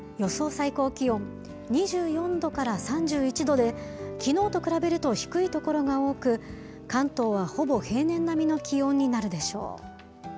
最高気温、２４度から３１度で、きのうと比べると低い所が多く、関東はほぼ平年並みの気温になるでしょう。